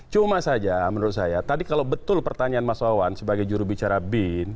cuma saja menurut saya tadi kalau betul pertanyaan mas wawan sebagai jurubicara bin